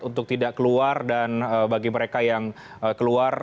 untuk tidak keluar dan bagi mereka yang keluar